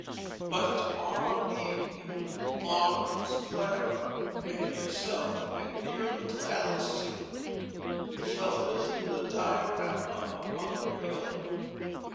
But, to morrow evening, Laurence, Clara, and yourself, and dear little Alice too, shall visit the Diorama of Bunker Hill.